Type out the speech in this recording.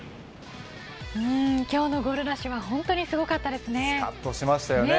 今日のゴールラッシュはほんとにすごかったですね。